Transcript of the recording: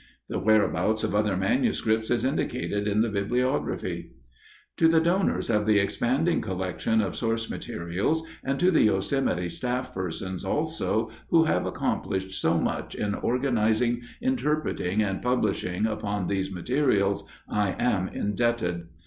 The whereabouts of other manuscripts is indicated in the bibliography._ _To the donors of the expanding collection of source materials and to the Yosemite staff members, also, who have accomplished so much in organizing, interpreting, and publishing upon these materials, I am indebted.